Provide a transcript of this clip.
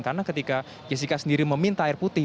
karena ketika jessica sendiri meminta air putih